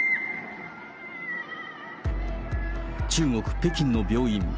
中国・北京の病院。